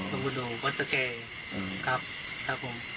รวงปุดุวสมมุสต์สเกตส์